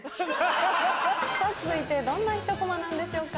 続いてどんなひとコマなんでしょうか。